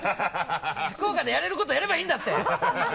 福岡でやれることやればいいんだって！